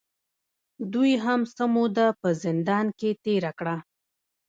دوې هم څۀ موده پۀ زندان کښې تېره کړه